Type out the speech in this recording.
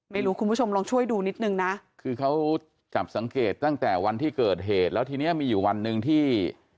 คุณผู้ชมลองช่วยดูนิดนึงนะคือเขาจับสังเกตตั้งแต่วันที่เกิดเหตุแล้วทีเนี้ยมีอยู่วันหนึ่งที่